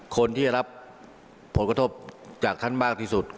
คนที่ได้รับผลกระทบจากท่านมากที่สุด